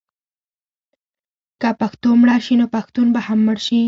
که پښتو مړه شي نو پښتون به هم مړ شي.